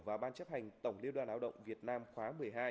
và ban chấp hành tổng liêu đoàn đạo động việt nam khóa một mươi hai